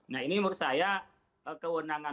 nah ini menurut saya kewenangan